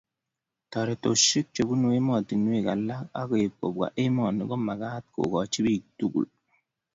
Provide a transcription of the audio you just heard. Toretosiek chebunu emotinwek alak ak keib kobwa emoni, komagat kekoch bik tugul